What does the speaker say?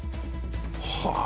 はあ。